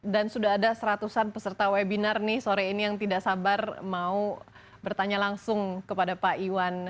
dan sudah ada seratusan peserta webinar nih sore ini yang tidak sabar mau bertanya langsung kepada pak iwan